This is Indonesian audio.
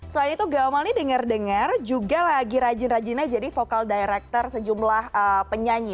selain itu gamal ini dengar dengar juga lagi rajin rajinnya jadi vocal director sejumlah penyanyi